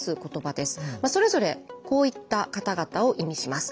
それぞれこういった方々を意味します。